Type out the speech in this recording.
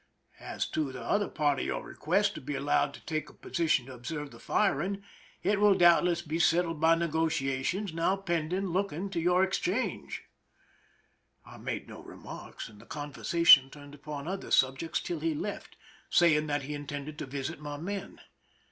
As to the other part of your request, to be allowed to take a posi tion to observe the firing, it will doubtless be settled by negotiations now pending looking to your ex change." I made no remarks, and the conversation turned upon other subjects till he left, saying that he intended to visit my men.